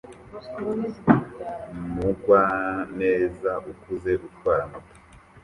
Umugwaneza ukuze utwara moto